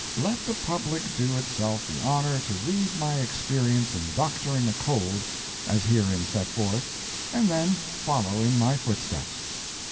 Let the public do itself the honor to read my experience in doctoring a cold, as herein set forth, and then follow in my footsteps.